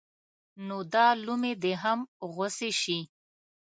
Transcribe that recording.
نو دا لومې دې هم غوڅې شي.